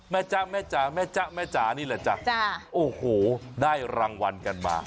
แม่จ๊ะนี่แหละจ๊ะโอ้โหได้รางวัลกันมา